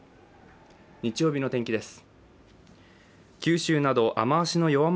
日曜日の天気です。